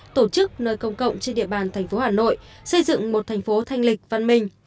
tổ chức nơi công cộng trên địa bàn thành phố hà nội xây dựng một thành phố thanh lịch văn minh